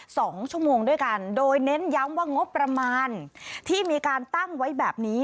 สองชั่วโมงด้วยกันโดยเน้นย้ำว่างบประมาณที่มีการตั้งไว้แบบนี้